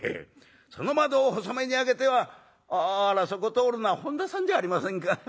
その窓を細めに開けては『あらそこ通るのは本多さんじゃありませんか。